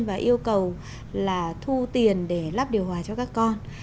và yêu cầu là thu tiền để lắp điều hòa cho các con